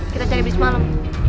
kita cari bis malam